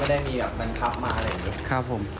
ไม่ได้มีแบบบันครับมาอะไรอย่างนี้